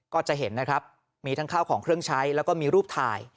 ก็จะเห็นนะครับมีทั้งข้าวของเครื่องใช้แล้วก็มีรูปถ่าย